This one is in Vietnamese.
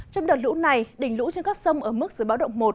trong đợt lũ này đỉnh lũ trên các sông ở mức giữa bão động một